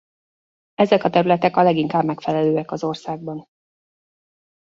Ezek a területek a leginkább megfelelőek az országban.